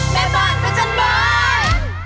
แม่บ้านพระจันทร์บ้าน